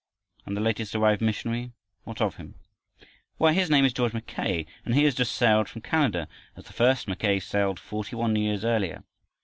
And the latest arrived missionary? What of him? Why his name is George Mackay, and he has just sailed from Canada as the first Mackay sailed forty one years earlier.